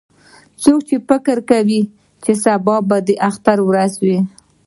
څوک فکر کوي چې سبا به د اختر ورځ وي